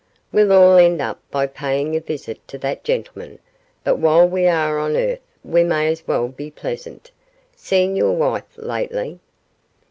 'We'll all end up by paying a visit to that gentleman, but while we are on earth we may as well be pleasant. Seen your wife lately?